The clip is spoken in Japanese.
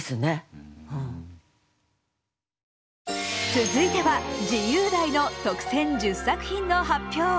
続いては自由題の特選十作品の発表。